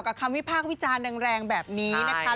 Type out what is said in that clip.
คำวิพากษ์วิจารณ์แรงแบบนี้นะคะ